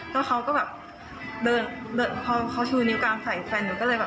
แล้วเขาก็แบบเดินเดินพอเขาชูนิ้วกลางใส่แฟนหนูก็เลยแบบ